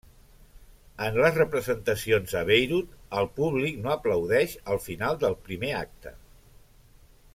En les representacions a Bayreuth el públic no aplaudeix al final del primer acte.